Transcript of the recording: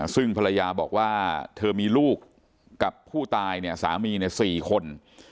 ซึ่งผลัยาบอกว่าเธอมีลูกกับผู้ตายสามีเนี่ย๔คน